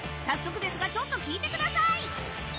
早速ですがちょっと聞いてください！